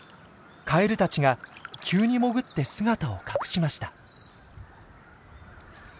カエルたちが急に潜って姿を隠しました。